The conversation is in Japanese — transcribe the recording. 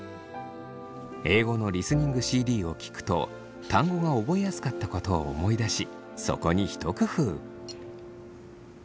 英語のリスニングＣＤを聞くと単語が覚えやすかったことを思い出しそこに一工夫。